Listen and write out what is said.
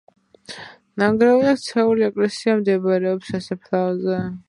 ნანგრევებად ქცეული ეკლესია მდებარეობს სასაფლაოზე.